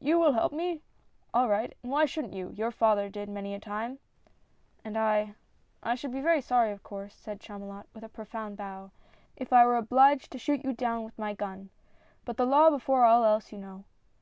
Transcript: "You will help me! all right, and why shouldn't you ? your father did many a time I "" And I — I should be very sorry, of course," said Chamulot, with a profound bow, — if I were obliged to shoot you down with my gun — but the Law before all else you know."